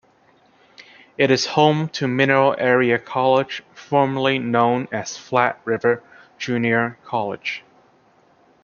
It is home to Mineral Area College, formerly known as Flat River Junior College.